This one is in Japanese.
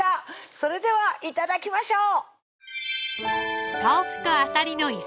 それでは頂きましょう